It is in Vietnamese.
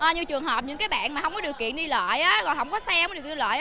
như trường hợp những bạn mà không có điều kiện đi lợi không có xe không có điều kiện đi lợi